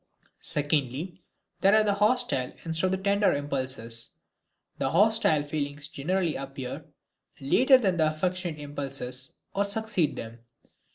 Secondly, there are the hostile instead of the tender impulses. The hostile feelings generally appear later than the affectionate impulses or succeed them.